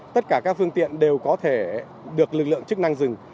tất cả các phương tiện đều có thể được lực lượng chức năng dừng